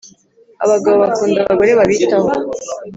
Abagabo bakunda abagore babitaho